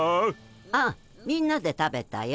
ああみんなで食べたよ。